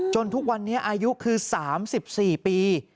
ทุกวันนี้อายุคือ๓๔ปี